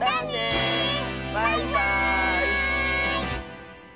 バイバーイ！